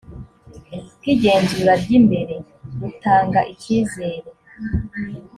bw igenzura ry imbere butanga icyizere